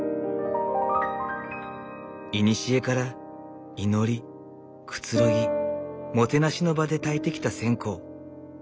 いにしえから祈りくつろぎもてなしの場でたいてきた線香。